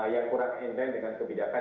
yang kurang intent dengan kebijakan